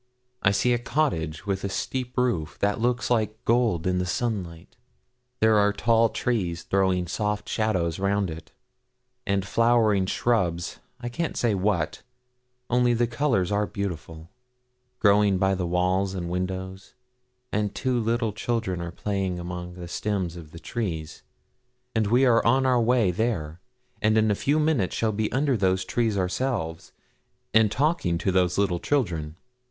I see a cottage with a steep roof, that looks like gold in the sunlight; there are tall trees throwing soft shadows round it, and flowering shrubs, I can't say what, only the colours are beautiful, growing by the walls and windows, and two little children are playing among the stems of the trees, and we are on our way there, and in a few minutes shall be under those trees ourselves, and talking to those little children.